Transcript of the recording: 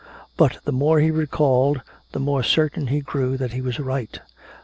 But the more he recalled the more certain he grew that he was right.